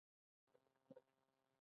پښتو ادب بډای دی